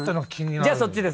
じゃあそっちです